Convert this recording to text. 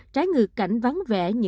trái ngược cảnh vắng vẻ